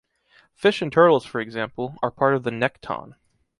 Fish and turtles for example, are part of the nekton.